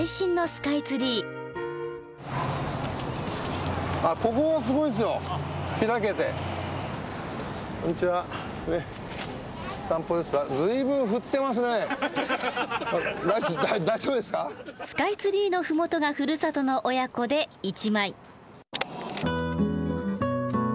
スカイツリーの麓がふるさとの親子で一枚。